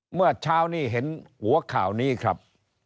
เมื่อเช้านี้เห็นหัวข่าวนี้ครับ